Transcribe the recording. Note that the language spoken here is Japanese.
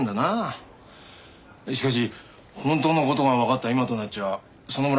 しかし本当の事がわかった今となっちゃその村